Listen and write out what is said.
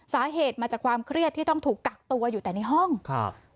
สาเหตุมาจากความเครียดที่ต้องถูกกักตัวอยู่แต่ในห้องครับ